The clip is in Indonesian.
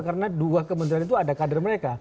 karena dua kementerian itu ada kader